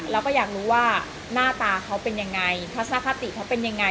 เราก็อยากรู้ว่าหน้าตาเขาเป็นยังไงทัศนคติเขาเป็นยังไง